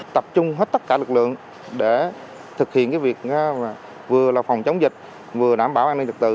tập trung hết tất cả lực lượng để thực hiện việc vừa là phòng chống dịch vừa đảm bảo an ninh trật tự